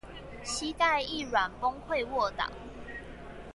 膝蓋一軟崩潰臥倒